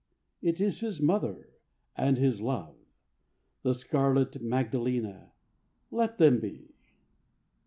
It is his mother and his love, The scarlet Magdalena. Let them be."